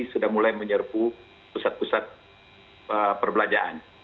sudah mulai menyerbu pusat pusat perbelanjaan